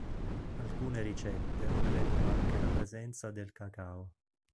Alcune ricette prevedono anche la presenza del cacao.